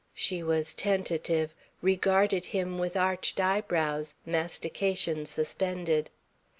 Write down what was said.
She was tentative, regarded him with arched eyebrows, mastication suspended.